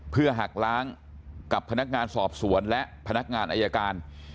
เพื่อหักล้างกับพนักงานสอบสวนและพนักงานอายการ